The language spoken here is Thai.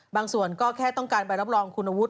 บางส่วนก็แค่ต้องการไปรับรองคุณวุฒ